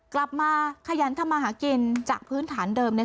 กลับมาขยันทำมาหากินจากพื้นฐานเดิมเนี่ย